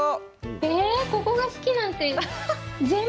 ええ、ここが好きなんて。